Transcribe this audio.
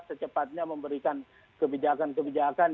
secepatnya memberikan kebijakan kebijakan